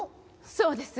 そうです。